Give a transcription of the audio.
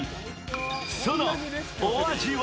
そのお味は？